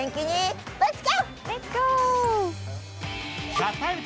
「ＴＨＥＴＩＭＥ，」